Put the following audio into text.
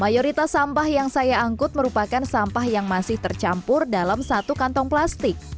mayoritas sampah yang saya angkut merupakan sampah yang masih tercampur dalam satu kantong plastik